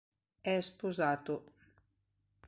È sposato.